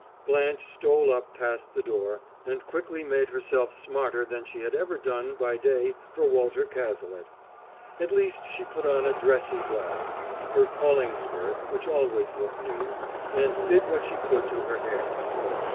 Blanche stole up past the door, and quickly made herself smarter than she had ever done by day for Walter Cazalet; at least she put on a "dressy" blouse, her calling skirt (which always looked new), and did what she could to her hair.